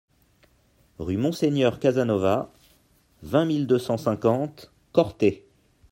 Rue Monseigneur Casanova, vingt mille deux cent cinquante Corte